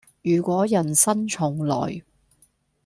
如果人生重來